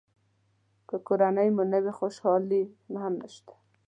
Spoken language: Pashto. که کورنۍ مو نه وي خوشالي هم نشته.